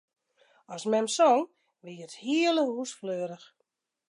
As mem song, wie it hiele hús fleurich.